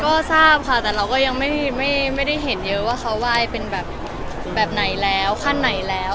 ก็ทราบค่ะแต่เราก็ยังไม่ได้เห็นเยอะว่าเขาไหว้เป็นแบบไหนแล้วขั้นไหนแล้ว